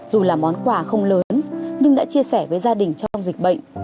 dù là món quà không lớn nhưng đã chia sẻ với gia đình trong dịch bệnh